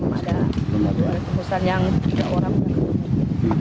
ada tempat yang tidak orang